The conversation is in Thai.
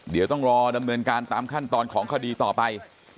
เดี๋ยวต้องรอดำเนินการตามขั้นตอนของคดีต่อไป